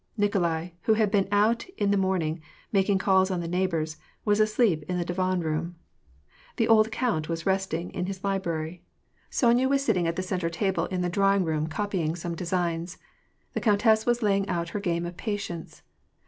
Nikolai, who had been out in the morning, making calls on the neighbors, was asleep in the divan room. The old count was resting in his library. * Reaumur. WAR AND PEACE. 288 Sonya was sitting at the centre table in the drawing room copying some designs. The countess was laying out her game of patience.